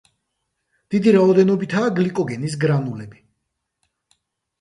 დიდი რაოდენობითაა გლიკოგენის გრანულები.